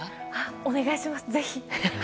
お願いします、ぜひ。